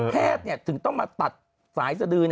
ถึงต้องมาตัดสายสดือ